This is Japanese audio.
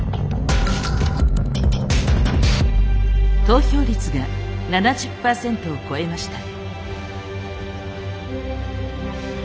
投票率が７０％を超えました。